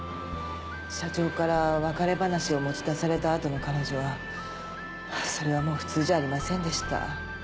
社長から別れ話を持ち出されたあとの彼女はあれはもう普通じゃありませんでした。